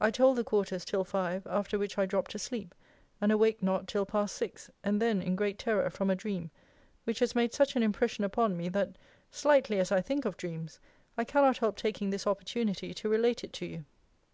I told the quarters till five; after which I dropt asleep, and awaked not till past six, and then in great terror, from a dream, which has made such an impression upon me, that, slightly as I think of dreams, I cannot help taking this opportunity to relate it to you.